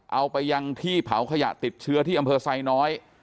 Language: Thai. เอาไปยังที่เผาขยะติดเชื้อที่อำเภอไซน้อย